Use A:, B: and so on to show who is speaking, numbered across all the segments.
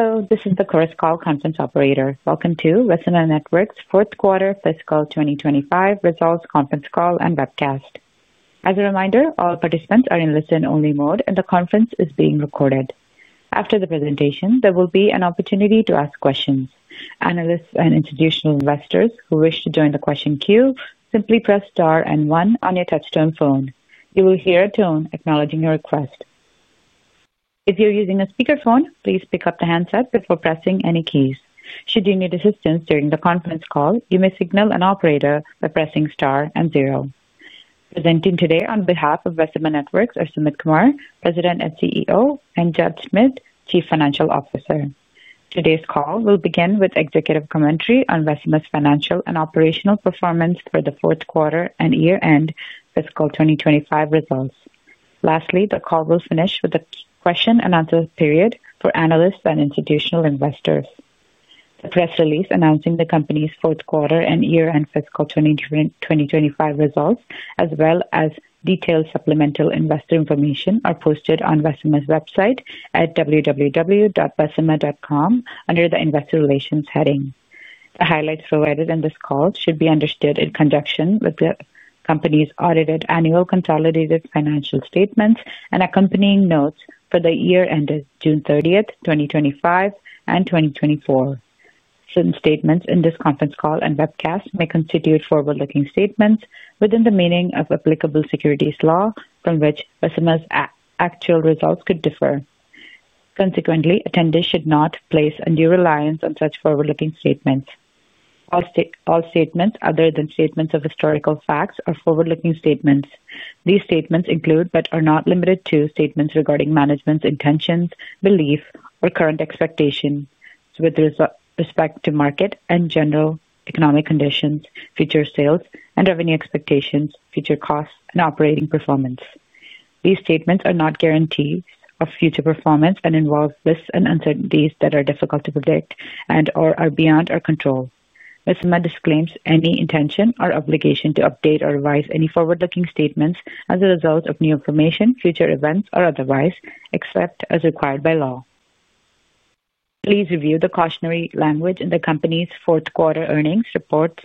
A: Hello, this is the course call conference operator. Welcome to Vecima Networks' Fourth Quarter Fiscal 2025 Results Conference Call and Webcast. As a reminder, all participants are in listen-only mode, and the conference is being recorded. After the presentation, there will be an opportunity to ask questions. Analysts and institutional investors who wish to join the question queue simply press Star and one on your touch-tone phone. You will hear a tone acknowledging your request. If you're using a speaker phone, please pick up the handset before pressing any keys. Should you need assistance during the conference call, you may signal an operator by pressing Star and zero. Presenting today on behalf of Vecima Networks are Sumit Kumar, President and CEO, and Judd Schmid, Chief Financial Officer. Today's call will begin with executive commentary on Vecima's financial and operational performance for the fourth quarter and year-end fiscal 2025 results. Lastly, the call will finish with a question and answer period for analysts and institutional investors. The press release announcing the company's fourth quarter and year-end fiscal 2025 results, as well as detailed supplemental investor information, are posted on Vecima's website at www.vecima.com under the Investor Relations heading. The highlights provided in this call should be understood in conjunction with the company's audited annual consolidated financial statements and accompanying notes for the year ended June 30, 2025 and 2024. Certain statements in this conference call and webcast may constitute forward-looking statements within the meaning of applicable securities law, from which Vecima's actual results could differ. Consequently, attendees should not place undue reliance on such forward-looking statements. All statements other than statements of historical facts are forward-looking statements. These statements include, but are not limited to, statements regarding management's intentions, belief, or current expectations with respect to market and general economic conditions, future sales, and revenue expectations, future costs, and operating performance. These statements are not guarantees of future performance and involve risks and uncertainties that are difficult to predict and/or are beyond our control. Vecima disclaims any intention or obligation to update or revise any forward-looking statements as a result of new information, future events, or otherwise, except as required by law. Please review the cautionary language in the company's fourth quarter earnings report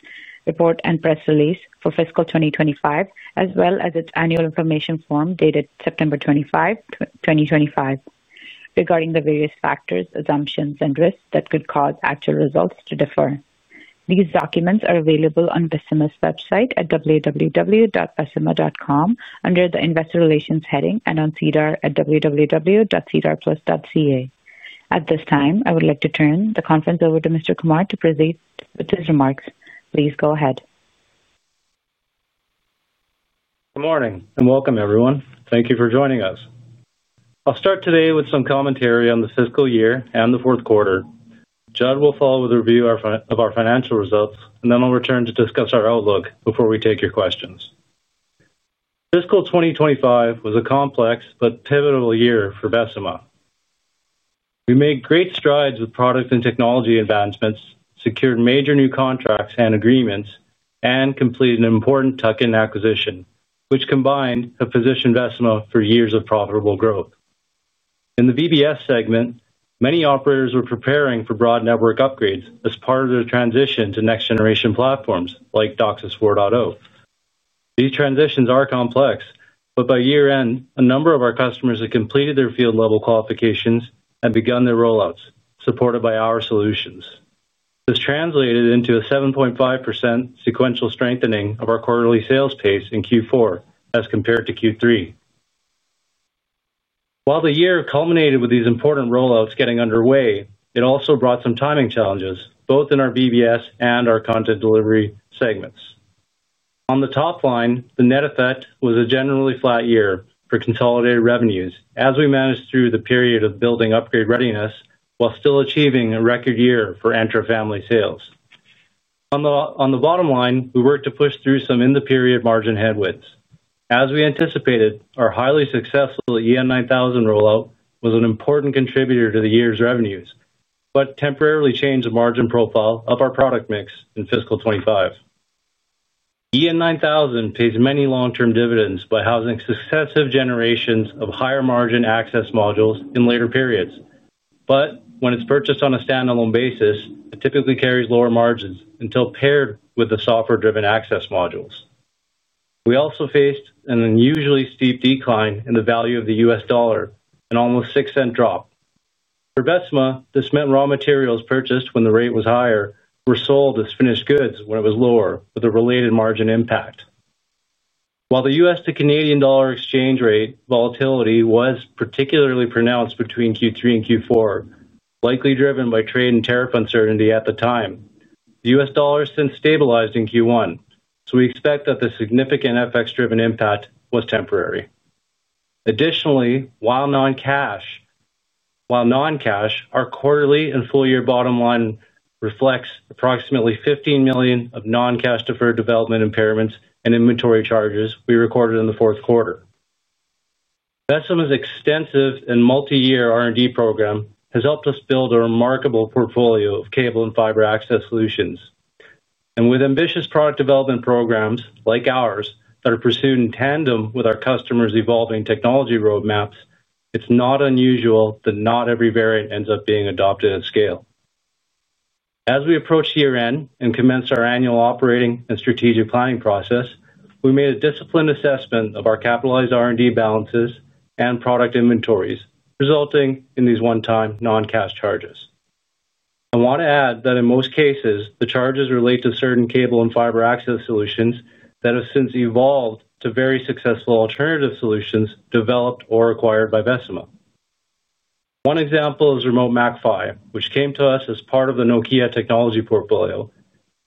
A: and press release for fiscal 2025, as well as its annual information form dated September 25, 2025, regarding the various factors, assumptions, and risks that could cause actual results to differ. These documents are available on Vecima's website at www.vecima.com under the Investor Relations heading and on CDAR at www.cdarplus.ca. At this time, I would like to turn the conference over to Mr. Kumar to proceed with his remarks. Please go ahead.
B: Good morning and welcome, everyone. Thank you for joining us. I'll start today with some commentary on the fiscal year and the fourth quarter. Judd will follow with a review of our financial results, and then I'll return to discuss our outlook before we take your questions. Fiscal 2025 was a complex but pivotal year for Vecima Networks. We made great strides with product and technology advancements, secured major new contracts and agreements, and completed an important Falcon V Systems acquisition, which combined and positioned Vecima Networks for years of profitable growth. In the VBS segment, many operators were preparing for broad network upgrades as part of their transition to next-generation platforms like DOCSIS 4.0. These transitions are complex, but by year-end, a number of our customers had completed their field-level qualifications and begun their rollouts, supported by our solutions. This translated into a 7.5% sequential strengthening of our quarterly sales pace in Q4 as compared to Q3. While the year culminated with these important rollouts getting underway, it also brought some timing challenges, both in our VBS and our content delivery segments. On the top line, the net effect was a generally flat year for consolidated revenues, as we managed through the period of building upgrade readiness while still achieving a record year for intra-family sales. On the bottom line, we worked to push through some in-the-period margin headwinds. As we anticipated, our highly successful EN9000 rollout was an important contributor to the year's revenues, but temporarily changed the margin profile of our product mix in fiscal 2025. EN9000 pays many long-term dividends by housing successive generations of higher margin access modules in later periods. When it's purchased on a standalone basis, it typically carries lower margins until paired with the software-driven access modules. We also faced an unusually steep decline in the value of the U.S. dollar, an almost $0.06 drop. For Vecima Networks, this meant raw materials purchased when the rate was higher were sold as finished goods when it was lower, with a related margin impact. While the U.S. to Canadian dollar exchange rate volatility was particularly pronounced between Q3 and Q4, likely driven by trade and tariff uncertainty at the time, the U.S. dollar has since stabilized in Q1, so we expect that the significant FX-driven impact was temporary. Additionally, while non-cash, our quarterly and full-year bottom line reflects approximately $15 million of non-cash deferred development impairments and inventory charges we recorded in the fourth quarter. Vecima's extensive and multi-year R&D program has helped us build a remarkable portfolio of cable and fiber access solutions. With ambitious product development programs like ours that are pursued in tandem with our customers' evolving technology roadmaps, it's not unusual that not every variant ends up being adopted at scale. As we approach year-end and commence our annual operating and strategic planning process, we made a disciplined assessment of our capitalized R&D balances and product inventories, resulting in these one-time non-cash charges. I want to add that in most cases, the charges relate to certain cable and fiber access solutions that have since evolved to very successful alternative solutions developed or acquired by Vecima. One example is Remote MACPHY, which came to us as part of the Nokia technology portfolio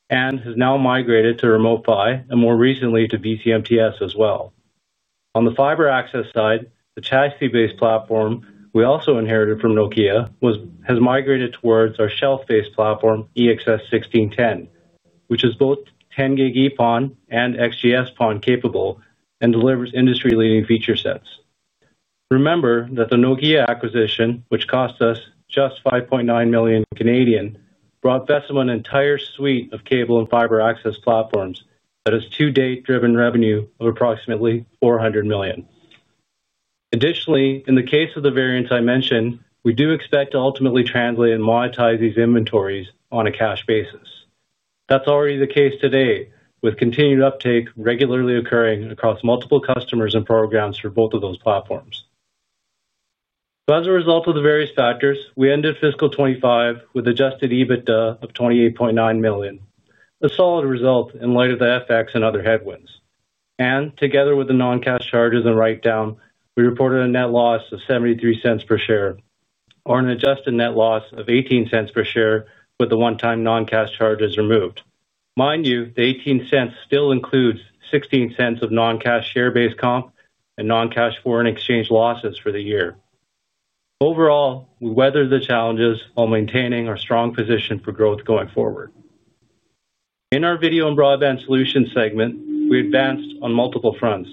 B: and has now migrated to Remote PHY and more recently to vCMTS as well. On the fiber access side, the chassis-based platform we also inherited from Nokia has migrated towards our shelf-based platform, EXS1610, which is both 10G-EPON and XGS-PON capable and delivers industry-leading feature sets. Remember that the Nokia acquisition, which cost us just $5.9 million Canadian, brought Vecima an entire suite of cable and fiber access platforms that has to-date driven revenue of approximately $400 million. Additionally, in the case of the variants I mentioned, we do expect to ultimately translate and monetize these inventories on a cash basis. That's already the case today, with continued uptake regularly occurring across multiple customers and programs for both of those platforms. As a result of the various factors, we ended fiscal 2025 with an adjusted EBITDA of $28.9 million, a solid result in light of the FX and other headwinds. Together with the non-cash charges and write-down, we reported a net loss of $0.73 per share, or an adjusted net loss of $0.18 per share with the one-time non-cash charges removed. Mind you, the $0.18 still includes $0.16 of non-cash share-based comp and non-cash foreign exchange losses for the year. Overall, we weathered the challenges while maintaining our strong position for growth going forward. In our video and broadband solutions segment, we advanced on multiple fronts.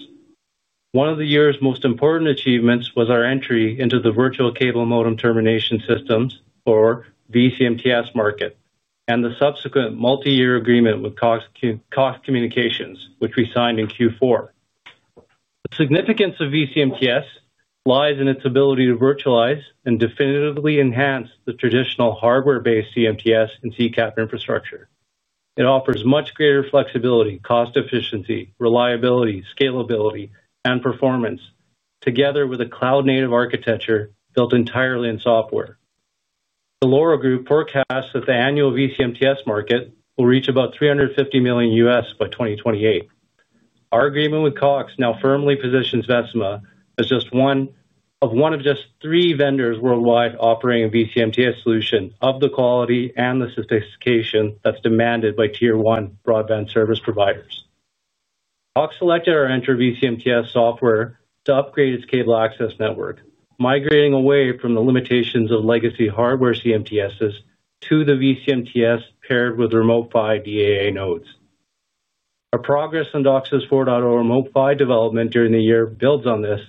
B: One of the year's most important achievements was our entry into the virtual cable modem termination system, or vCMTS, market, and the subsequent multi-year agreement with Cox Communications, which we signed in Q4. The significance of vCMTS lies in its ability to virtualize and definitively enhance the traditional hardware-based CMTS and CCAP infrastructure. It offers much greater flexibility, cost efficiency, reliability, scalability, and performance, together with a cloud-native architecture built entirely in software. The Laurel Group forecasts that the annual vCMTS market will reach about $350 million by 2028. Our agreement with Cox now firmly positions Vecima as just one of just three vendors worldwide offering a vCMTS solution of the quality and the sophistication that's demanded by tier-one broadband service providers. Cox selected our entry vCMTS software to upgrade its cable access network, migrating away from the limitations of legacy hardware CMTSs to the vCMTS paired with Remote PHY DAA nodes. Our progress on DOCSIS 4.0 Remote PHY development during the year builds on this,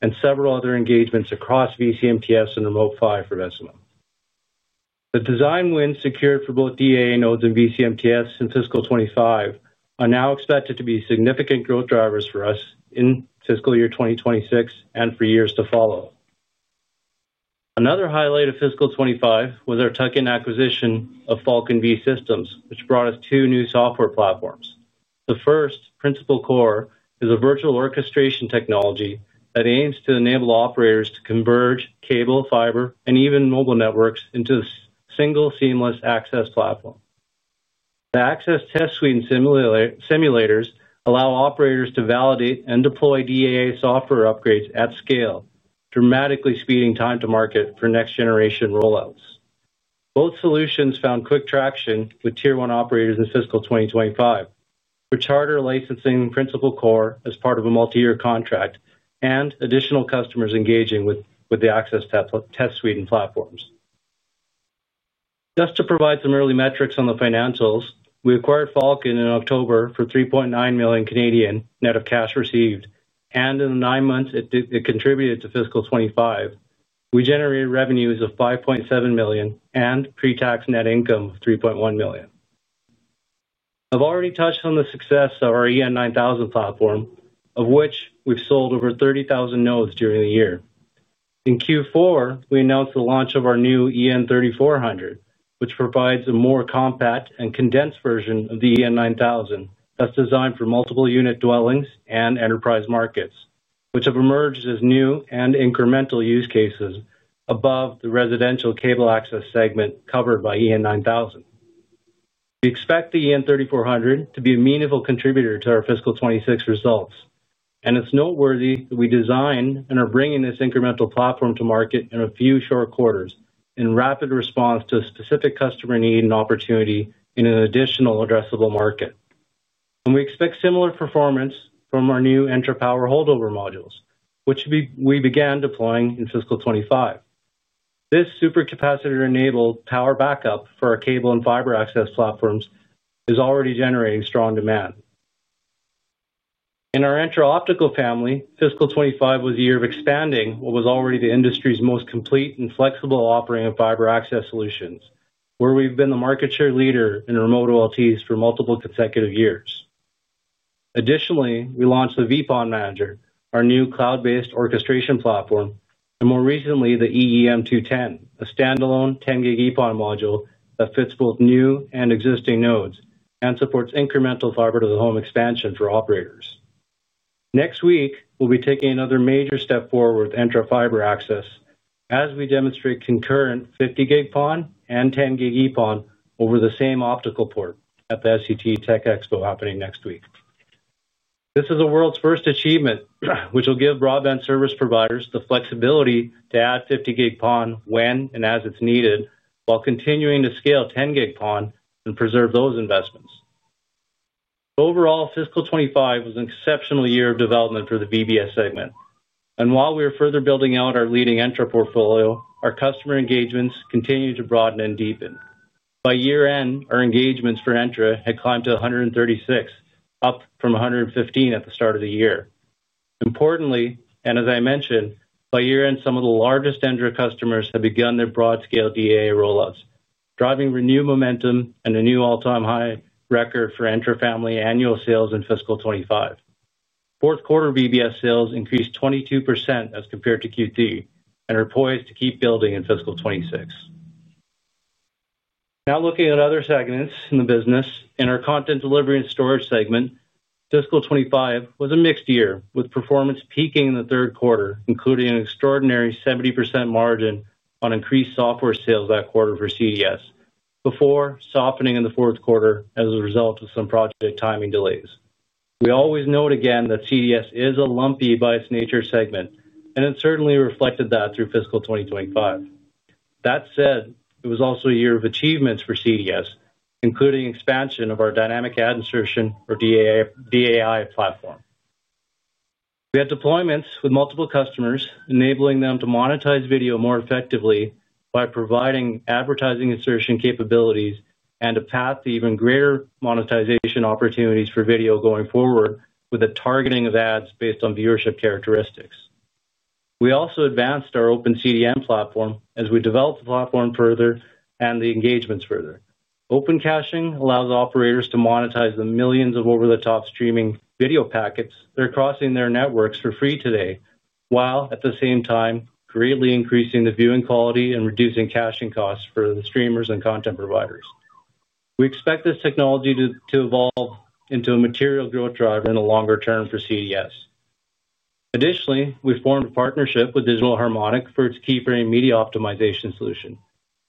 B: and several other engagements across vCMTS and Remote PHY for Vecima. The design wins secured for both DAA nodes and vCMTS in fiscal 2025 are now expected to be significant growth drivers for us in fiscal year 2026 and for years to follow. Another highlight of fiscal 2025 was our tuck-in acquisition of Falcon V Systems, which brought us two new software platforms. The first, Principal Core, is a virtual orchestration technology that aims to enable operators to converge cable, fiber, and even mobile networks into a single seamless access platform. The access test suite and simulators allow operators to validate and deploy DAA software upgrades at scale, dramatically speeding time to market for next-generation rollouts. Both solutions found quick traction with tier-one operators in fiscal 2025, with Charter licensing Principal Core as part of a multi-year contract and additional customers engaging with the access test suite and platforms. Just to provide some early metrics on the financials, we acquired Falcon V in October for $3.9 million Canadian net of cash received, and in the nine months it contributed to fiscal 2025, we generated revenues of $5.7 million and pre-tax net income of $3.1 million. I've already touched on the success of our EN9000 platform, of which we've sold over 30,000 nodes during the year. In Q4, we announced the launch of our new EN3400, which provides a more compact and condensed version of the EN9000 that's designed for multi-dwelling and enterprise markets, which have emerged as new and incremental use cases above the residential cable access segment covered by EN9000. We expect the EN3400 to be a meaningful contributor to our fiscal 2026 results, and it's noteworthy that we designed and are bringing this incremental platform to market in a few short quarters in rapid response to a specific customer need and opportunity in an additional addressable market. We expect similar performance from our new intra-power holdover modules, which we began deploying in fiscal 2025. This supercapacitor-enabled power backup for our cable and fiber access platforms is already generating strong demand. In our intra-optical family, fiscal 2025 was a year of expanding what was already the industry's most complete and flexible offering of fiber access solutions, where we've been the market share leader in remote OLTs for multiple consecutive years. Additionally, we launched the VPON Manager, our new cloud-based orchestration platform, and more recently the EEM210, a standalone 10G-EPON module that fits both new and existing nodes and supports incremental fiber-to-the-home expansion for operators. Next week, we'll be taking another major step forward with intra-fiber access as we demonstrate concurrent 50G-EPON and 10G-EPON over the same optical port at the SCTE Tech Expo happening next week. This is the world's first achievement, which will give broadband service providers the flexibility to add 50G-EPON when and as it's needed, while continuing to scale 10G-EPON and preserve those investments. Overall, fiscal 2025 was an exceptional year of development for the VBS segment. While we are further building out our leading intra portfolio, our customer engagements continue to broaden and deepen. By year end, our engagements for intra had climbed to 136, up from 115 at the start of the year. Importantly, as I mentioned, by year end, some of the largest intra customers have begun their broad-scale DAA rollouts, driving renewed momentum and a new all-time high record for intra-family annual sales in fiscal 2025. Fourth quarter VBS sales increased 22% as compared to Q3 and are poised to keep building in fiscal 2026. Now looking at other segments in the business, in our content delivery and storage segment, fiscal 2025 was a mixed year with performance peaking in the third quarter, including an extraordinary 70% margin on increased software sales that quarter for CDS, before softening in the fourth quarter as a result of some project timing delays. We always note again that CDS is a lumpy by its nature segment, and it certainly reflected that through fiscal 2025. That said, it was also a year of achievements for CDS, including expansion of our dynamic ad insertion for DAI platform. We had deployments with multiple customers, enabling them to monetize video more effectively by providing advertising insertion capabilities and a path to even greater monetization opportunities for video going forward with the targeting of ads based on viewership characteristics. We also advanced our OpenCDM platform as we developed the platform further and the engagements further. Open caching allows operators to monetize the millions of over-the-top streaming video packets that are crossing their networks for free today, while at the same time greatly increasing the viewing quality and reducing caching costs for the streamers and content providers. We expect this technology to evolve into a material growth driver in the longer term for CDS. Additionally, we formed a partnership with Digital Harmonic for its keyframe media optimization solution,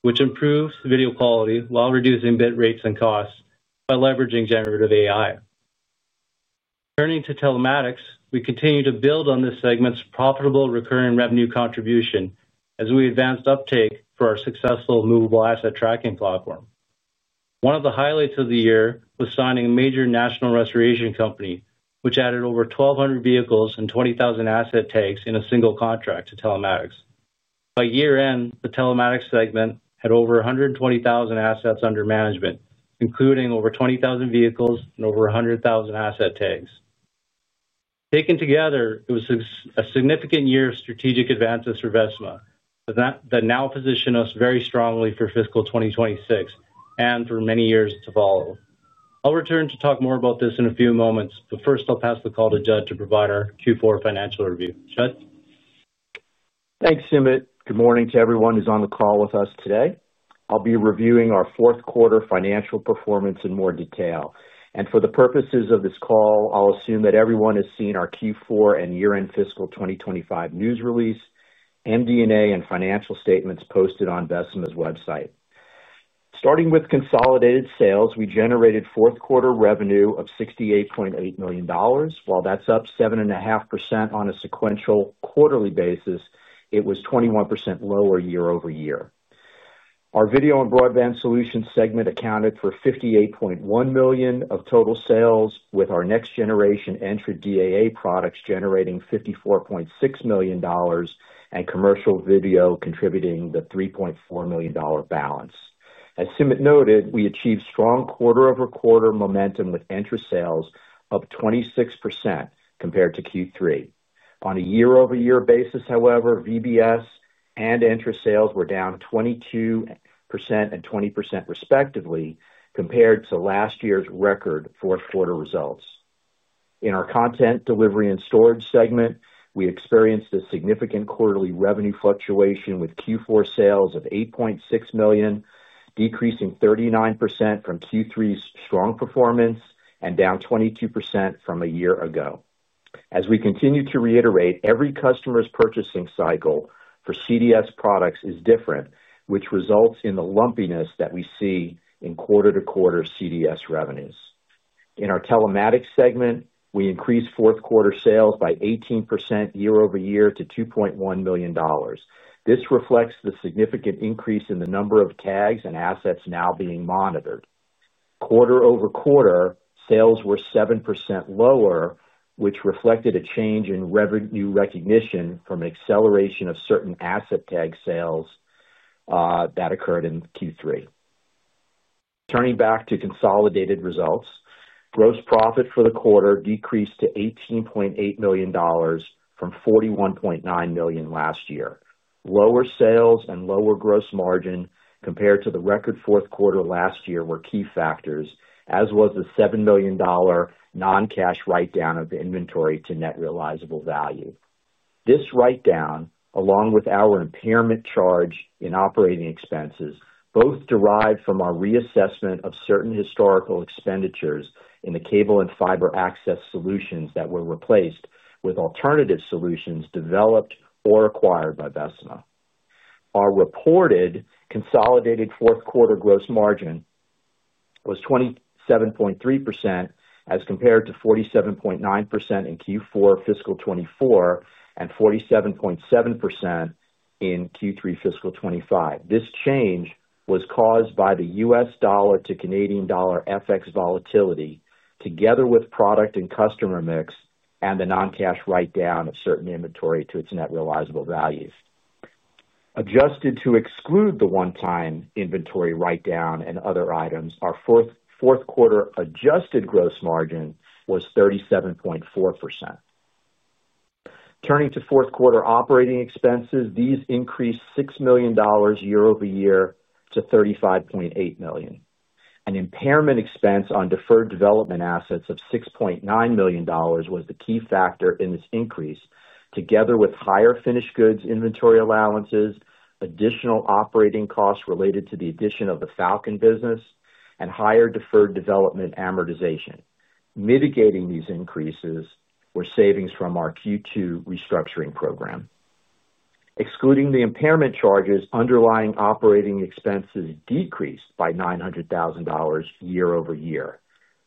B: which improves video quality while reducing bit rates and costs by leveraging generative AI. Turning to telematics, we continue to build on this segment's profitable recurring revenue contribution as we advanced uptake for our successful movable asset tracking platform. One of the highlights of the year was signing a major national restoration company, which added over 1,200 vehicles and 20,000 asset tags in a single contract to telematics. By year end, the telematics segment had over 120,000 assets under management, including over 20,000 vehicles and over 100,000 asset tags. Taken together, it was a significant year of strategic advances for Vecima that now position us very strongly for fiscal 2026 and for many years to follow. I'll return to talk more about this in a few moments, but first I'll pass the call to Judd to provide our Q4 financial review. Judd?
C: Thanks, Sumit. Good morning to everyone who's on the call with us today. I'll be reviewing our fourth quarter financial performance in more detail. For the purposes of this call, I'll assume that everyone has seen our Q4 and year-end fiscal 2025 news release, MD&A, and financial statements posted on Vecima's website. Starting with consolidated sales, we generated fourth quarter revenue of $68.8 million. While that's up 7.5% on a sequential quarterly basis, it was 21% lower year-over-year. Our video and broadband solutions segment accounted for $58.1 million of total sales, with our next-generation entry DAA products generating $54.6 million and commercial video contributing the $3.4 million balance. As Sumit noted, we achieved strong quarter-over-quarter momentum with entry sales up 26% compared to Q3. On a year-over-year basis, however, VBS and entry sales were down 22% and 20% respectively compared to last year's record fourth quarter results. In our content delivery and storage segment, we experienced a significant quarterly revenue fluctuation with Q4 sales of $8.6 million, decreasing 39% from Q3's strong performance and down 22% from a year ago. As we continue to reiterate, every customer's purchasing cycle for CDS products is different, which results in the lumpiness that we see in quarter-to-quarter CDS revenues. In our telematics segment, we increased fourth quarter sales by 18% year-over-year to $2.1 million. This reflects the significant increase in the number of tags and assets now being monitored. Quarter-over-quarter sales were 7% lower, which reflected a change in revenue recognition from an acceleration of certain asset tag sales that occurred in Q3. Turning back to consolidated results, gross profit for the quarter decreased to $18.8 million from $41.9 million last year. Lower sales and lower gross margin compared to the record fourth quarter last year were key factors, as was the $7 million non-cash write-down of inventory to net realizable value. This write-down, along with our impairment charge in operating expenses, both derived from our reassessment of certain historical expenditures in the cable and fiber access solutions that were replaced with alternative solutions developed or acquired by Vecima. Our reported consolidated fourth quarter gross margin was 27.3% as compared to 47.9% in Q4 fiscal 2024 and 47.7% in Q3 fiscal 2025. This change was caused by the U.S. dollar to Canadian dollar FX volatility, together with product and customer mix and the non-cash write-down of certain inventory to its net realizable values. Adjusted to exclude the one-time inventory write-down and other items, our fourth quarter adjusted gross margin was 37.4%. Turning to fourth quarter operating expenses, these increased $6 million year-over-year to $35.8 million. An impairment expense on deferred development assets of $6.9 million was the key factor in this increase, together with higher finished goods inventory allowances, additional operating costs related to the addition of the Falcon V Systems business, and higher deferred development amortization. Mitigating these increases were savings from our Q2 restructuring program. Excluding the impairment charges, underlying operating expenses decreased by $900,000 year-over-year.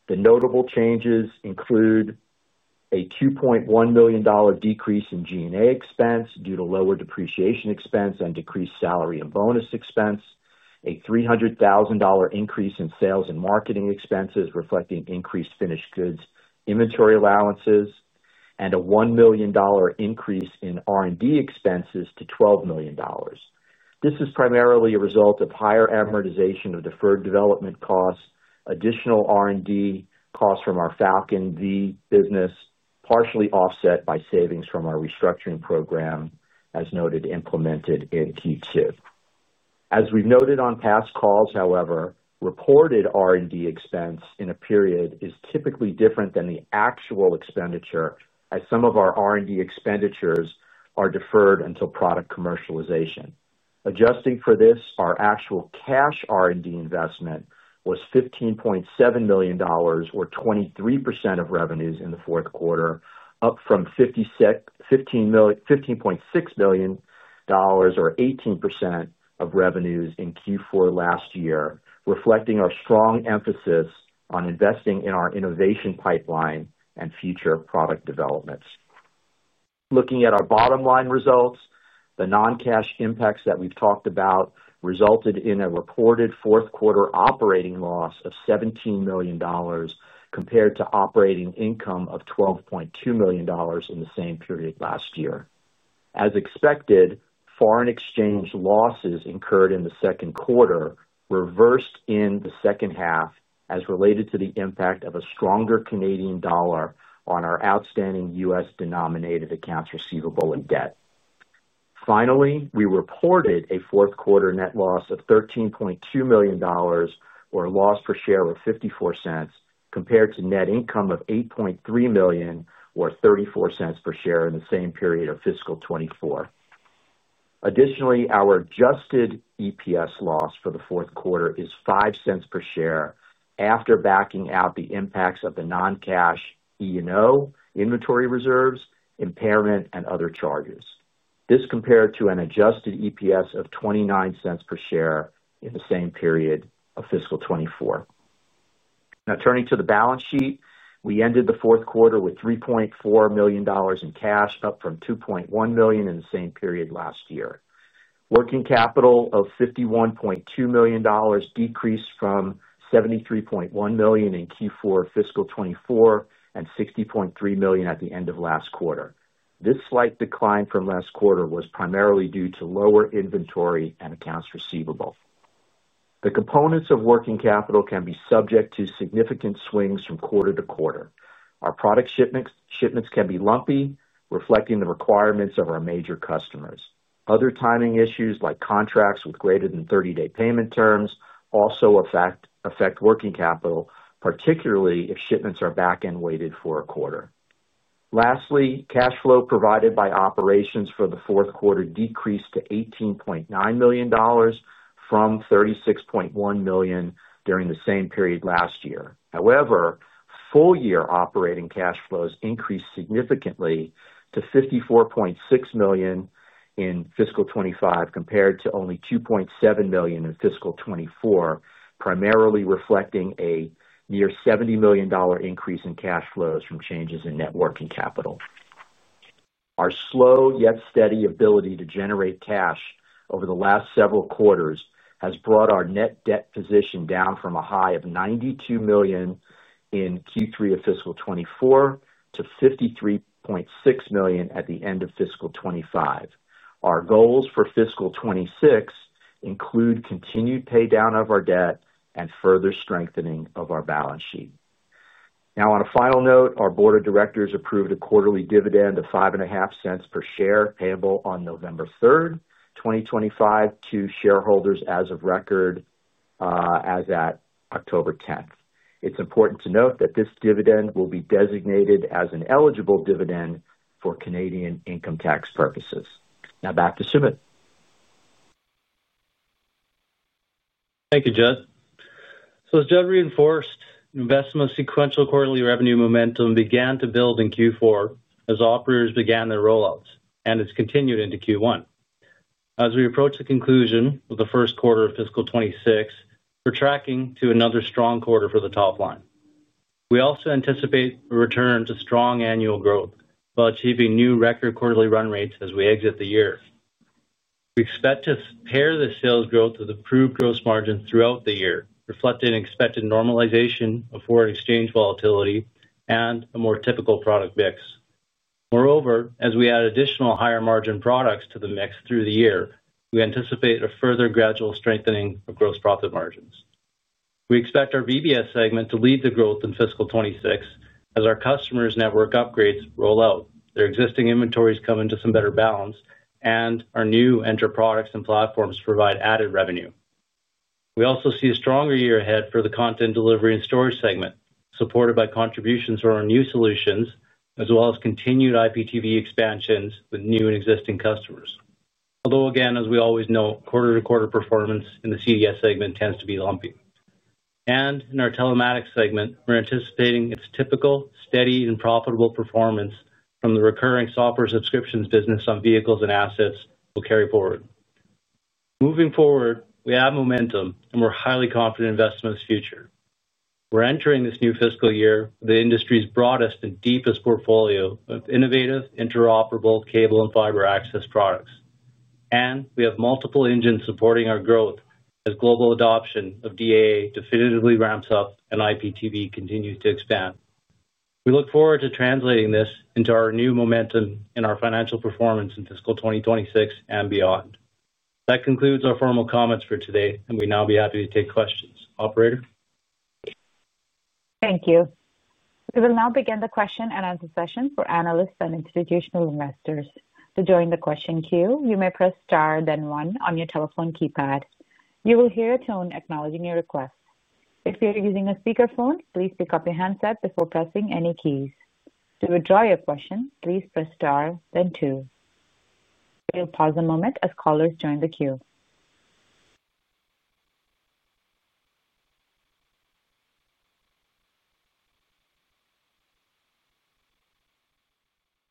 C: The notable changes include a $2.1 million decrease in G&A expense due to lower depreciation expense and decreased salary and bonus expense, a $300,000 increase in sales and marketing expenses reflecting increased finished goods inventory allowances, and a $1 million increase in R&D expenses to $12 million. This is primarily a result of higher amortization of deferred development costs, additional R&D costs from our Falcon V Systems business, partially offset by savings from our restructuring program, as noted, implemented in Q2. As we've noted on past calls, however, reported R&D expense in a period is typically different than the actual expenditure, as some of our R&D expenditures are deferred until product commercialization. Adjusting for this, our actual cash R&D investment was $15.7 million, or 23% of revenues in the fourth quarter, up from $15.6 million, or 18% of revenues in Q4 last year, reflecting our strong emphasis on investing in our innovation pipeline and future product developments. Looking at our bottom line results, the non-cash impacts that we've talked about resulted in a reported fourth quarter operating loss of $17 million compared to operating income of $12.2 million in the same period last year. As expected, foreign exchange losses incurred in the second quarter reversed in the second half as related to the impact of a stronger Canadian dollar on our outstanding U.S. denominated accounts receivable in debt. Finally, we reported a fourth quarter net loss of $13.2 million, or a loss per share of $0.54, compared to net income of $8.3 million, or $0.34 per share in the same period of fiscal 2024. Additionally, our adjusted EPS loss for the fourth quarter is $0.05 per share after backing out the impacts of the non-cash E&O, inventory reserves, impairment, and other charges. This compared to an adjusted EPS of $0.29 per share in the same period of fiscal 2024. Now, turning to the balance sheet, we ended the fourth quarter with $3.4 million in cash, up from $2.1 million in the same period last year. Working capital of $51.2 million decreased from $73.1 million in Q4 fiscal 2024 and $60.3 million at the end of last quarter. This slight decline from last quarter was primarily due to lower inventory and accounts receivable. The components of working capital can be subject to significant swings from quarter to quarter. Our product shipments can be lumpy, reflecting the requirements of our major customers. Other timing issues, like contracts with greater than 30-day payment terms, also affect working capital, particularly if shipments are back and weighted for a quarter. Lastly, cash flow provided by operations for the fourth quarter decreased to $18.9 million from $36.1 million during the same period last year. However, full-year operating cash flows increased significantly to $54.6 million in fiscal 2025 compared to only $2.7 million in fiscal 2024, primarily reflecting a near $70 million increase in cash flows from changes in net working capital. Our slow yet steady ability to generate cash over the last several quarters has brought our net debt position down from a high of $92 million in Q3 of fiscal 2024 to $53.6 million at the end of fiscal 2025. Our goals for fiscal 2026 include continued paydown of our debt and further strengthening of our balance sheet. Now, on a final note, our board of directors approved a quarterly dividend of $0.055 per share payable on November 3, 2025 to shareholders of record as at October 10. It's important to note that this dividend will be designated as an eligible dividend for Canadian income tax purposes. Now back to Sumit.
B: Thank you, Judd. As Judd reinforced, Vecima's sequential quarterly revenue momentum began to build in Q4 as operators began their rollouts and has continued into Q1. As we approach the conclusion of the first quarter of fiscal 2026, we're tracking to another strong quarter for the top line. We also anticipate a return to strong annual growth while achieving new record quarterly run rates as we exit the year. We expect to pair this sales growth with improved gross margins throughout the year, reflecting expected normalization of foreign exchange volatility and a more typical product mix. Moreover, as we add additional higher margin products to the mix through the year, we anticipate a further gradual strengthening of gross profit margins. We expect our VBS segment to lead the growth in fiscal 2026 as our customers' network upgrades roll out, their existing inventories come into some better balance, and our new intra-products and platforms provide added revenue. We also see a stronger year ahead for the content delivery and storage segment, supported by contributions from our new solutions, as well as continued IPTV expansions with new and existing customers. Although, again, as we always note, quarter-to-quarter performance in the CDS segment tends to be lumpy. In our telematics segment, we're anticipating its typical, steady, and profitable performance from the recurring software subscriptions business on vehicles and assets we'll carry forward. Moving forward, we have momentum and we're highly confident in Vecima's future. We're entering this new fiscal year with the industry's broadest and deepest portfolio of innovative interoperable cable and fiber access products. We have multiple engines supporting our growth as global adoption of DAA definitively ramps up and IPTV continues to expand. We look forward to translating this into our new momentum in our financial performance in fiscal 2026 and beyond. That concludes our formal comments for today, and we'd now be happy to take questions. Operator?
A: Thank you. We will now begin the question and answer session for analysts and institutional investors. To join the question queue, you may press star, then one on your telephone keypad. You will hear a tone acknowledging your request. If you're using a speakerphone, please pick up your handset before pressing any keys. To withdraw your question, please press star, then two. We'll pause a moment as callers join the queue.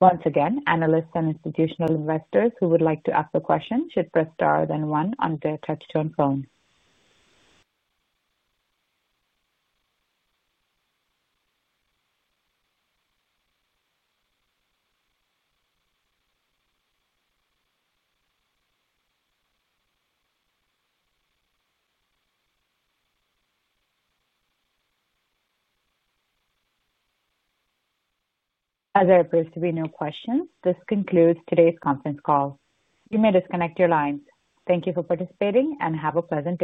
A: Once again, analysts and institutional investors who would like to ask a question should press star, then one on their touch-tone phone. As there appear to be no questions, this concludes today's conference call. You may disconnect your lines. Thank you for participating and have a pleasant day.